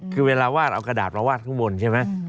คือเวลาวาดเอากระดาษมาวาดข้างบนใช่ไหม